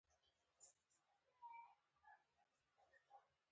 د افغانستان تاریخ د احمد شاه بابا د نوم سره تړلی دی.